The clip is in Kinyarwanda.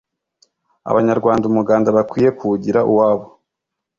Abanyarwanda umuganda bakwiye kuwugira uwabo